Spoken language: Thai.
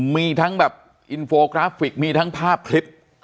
มีทั้งแบบอินโฟกราฟิกมีทั้งภาพคลิป